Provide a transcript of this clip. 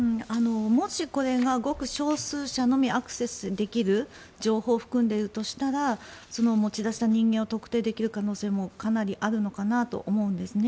もしこれがごく少数者のみアクセスできる情報を含んでいるとしたら持ち出した人間を特定できる可能性もかなりあるのかなと思うんです。